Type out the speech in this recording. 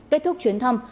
kết thúc chuyến thăm